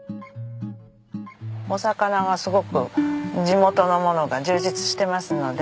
お魚がすごく地元のものが充実してますので。